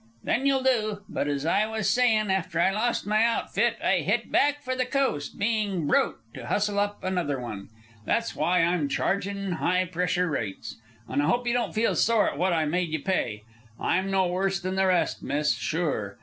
"Then you'll do. But as I was sayin', after I lost my outfit I hit back for the coast, bein' broke, to hustle up another one. That's why I'm chargin' high pressure rates. And I hope you don't feel sore at what I made you pay. I'm no worse than the rest, miss, sure.